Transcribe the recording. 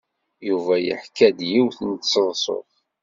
Yuba yeḥka-d yiwet n tseḍsut.